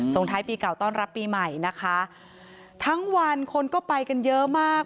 ท้ายปีเก่าต้อนรับปีใหม่นะคะทั้งวันคนก็ไปกันเยอะมาก